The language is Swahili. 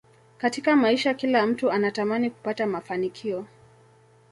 Katika maisha kila mtu anatamani kupata mafanikio